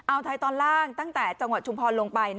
เอาไทยตอนล่างตั้งแต่จังหวัดชุมพรลงไป